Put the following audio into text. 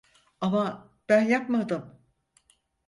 Ama ben yapmadım.